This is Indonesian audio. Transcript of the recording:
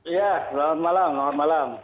iya selamat malam